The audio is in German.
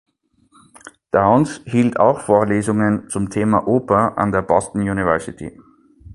Downes hielt auch Vorlesungen zum Thema Oper an der Boston University.